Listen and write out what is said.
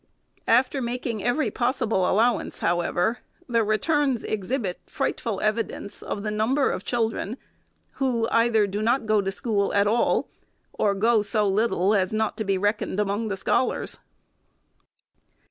After mak ing every possible allowance, however, the returns exhibit frightful evidence of the number of children, who either do not go to school at all, or go so little as not to be reckoned among the scholars.